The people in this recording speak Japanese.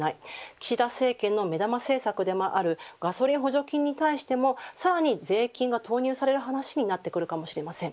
岸田政権の目玉政策でもあるガソリン補助金に関してもさらに税金が投入される話になってくるかもしれません。